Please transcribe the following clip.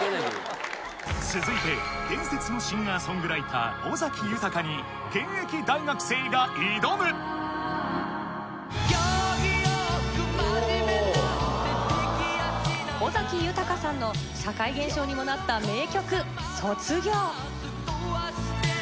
続いて伝説のシンガーソングライター尾崎豊に現役大学生が挑む尾崎豊さんの社会現象にもなった名曲『卒業』。